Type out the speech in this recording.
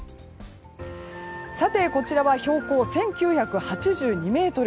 さて、こちらは標高１９８２ｍ。